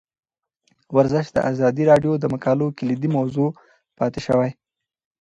ورزش د ازادي راډیو د مقالو کلیدي موضوع پاتې شوی.